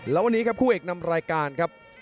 แล้ววันนี้ครับคู่เอกนำรายการครับ